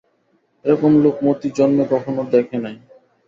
এরকম লোক মতি জন্মে কখনো দ্যাখে নাই।